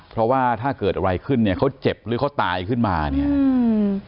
เพราะว่าถ้าเกิดอะไรขึ้นเนี่ยเขาเจ็บหรือเขาตายขึ้นมาเนี่ยอืม